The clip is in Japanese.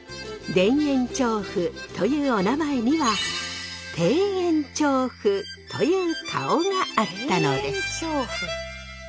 田園調布というおなまえにはという顔があったのです。